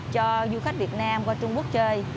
cho du khách việt nam qua trung quốc chơi